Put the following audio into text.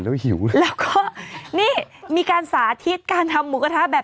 แล้วหิวเลยแล้วก็นี่มีการสาธิตการทำหมูกระทะแบบ